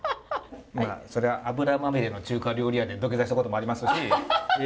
まあそりゃ油まみれの中華料理屋で土下座したこともありますし。